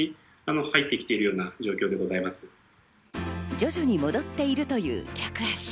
徐々に戻っているという客足。